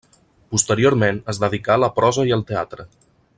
Posteriorment es dedicà a la prosa i al teatre.